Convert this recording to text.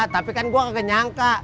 tapi kan gue gak nyangka